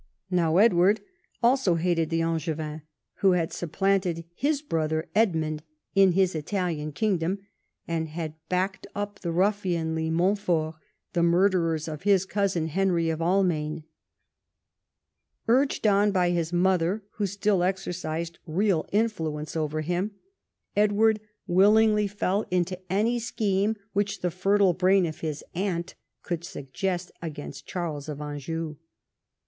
Now Edward also hated the Angevin, who had supplanted his brother Edmund in his Italian kingdom, and had backed up the ruffianly Montforts, the murderers of his cousin Henry of Almaine. Urged on by his mother, who still exercised real influence over him, Edward willingly fell into any 94 EDWARD I chap. scheme which the fertile brain of his aunt could suggest against Charles of Anjou.